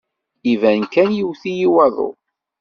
Iban kan iwet-iyi waḍu.